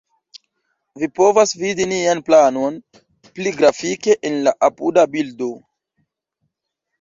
Vi povas vidi nian planon pli grafike en la apuda bildo.